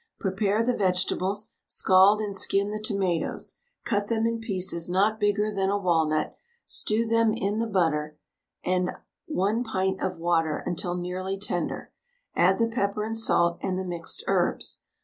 Prepare the vegetables, scald and skin the tomatoes, cut them in pieces not bigger than a walnut, stew them in the butter and 1 pint of water until nearly tender, add the pepper and salt and the mixed herbs.